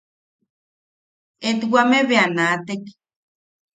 Etwame bea naatek.